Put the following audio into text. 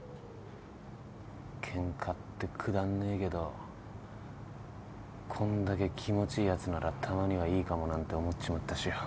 ケンカってくだんねえけどこんだけ気持ちいいやつならたまにはいいかもなんて思っちまったしよ。